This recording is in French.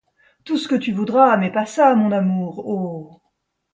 Tout ce que tu voudras, mais pas ça, mon amour, oh!